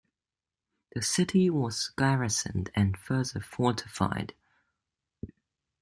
The city was garrisoned and further fortified.